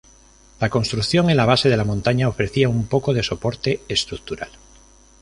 La construcción en la base de la montaña ofrecía un poco de soporte estructural.